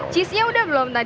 cheese nya udah belum tadi